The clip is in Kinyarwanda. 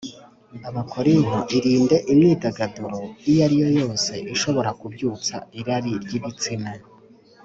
Abakorinto Irinde imyidagaduro iyo ari yo yose ishobora kubyutsa irari ry ibitsina